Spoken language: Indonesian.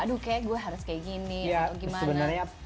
aduh kayaknya gue harus kayak gini atau gimana